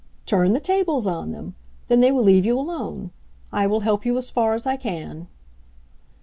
"Turn the tables on them. Then they will leave you alone. I will help you as far as I can."